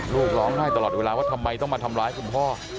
ลูกร้องไห้ตลอดเวลาว่าทำไมต้องมาทำร้ายคุณพ่อ